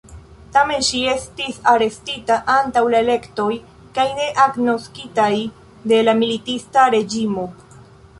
Tamen ŝi estis arestita antaŭ la elektoj kaj ne agnoskitaj de la militista reĝimo.